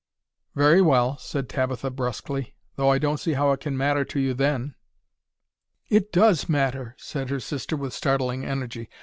"Very well," said Tabitha brusquely, "though I don't see how it can matter to you then." "It does matter," said her sister with startling energy.